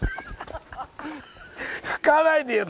拭かないでよ！